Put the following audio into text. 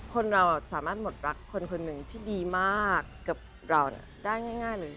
คนเราสามารถหมดรักคนคนหนึ่งที่ดีมากกับเราได้ง่ายเลย